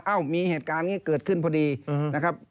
มีเหตุการณ์นี้เกิดขึ้นพอดีนะครับ